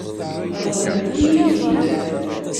Ṛeḍlemt-iyi-tt-id.